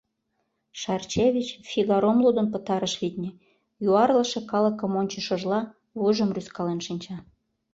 Шарчевич «Фигаром» лудын пытарыш, витне: юарлыше калыкым ончышыжла, вуйжым рӱзкален шинча.